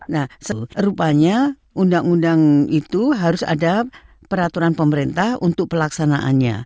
nah rupanya undang undang itu harus ada peraturan pemerintah untuk pelaksanaannya